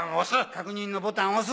確認のボタン押す。